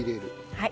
はい。